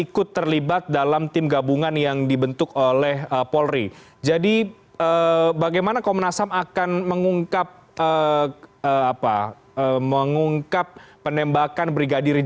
karena hal ini belum dibicarakan di dalam komnas sendiri